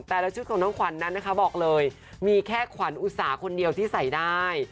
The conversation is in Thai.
แต่ละชุดของน้องขวัญนั้นนะคะบอกเลยมีแค่ขวัญอุตสาคนเดียวที่ใส่ได้